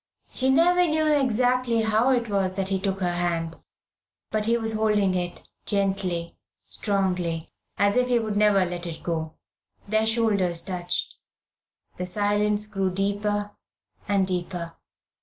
She never knew exactly how it was that he took her hand, but he was holding it gently, strongly, as if he would never let it go. Their shoulders touched. The silence grew deeper and deeper.